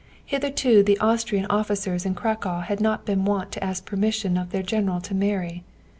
Hitherto the Austrian officers in Cracow had not been wont to ask the permission of their general to marry.